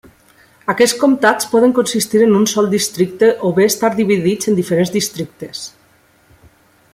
Aquests comtats poden consistir en un sol districte o bé estar dividits en diferents districtes.